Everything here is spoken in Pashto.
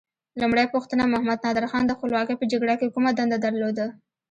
لومړۍ پوښتنه: محمد نادر خان د خپلواکۍ په جګړه کې کومه دنده درلوده؟